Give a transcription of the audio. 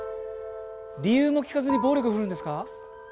理由も聞かずに暴力振るうんですか。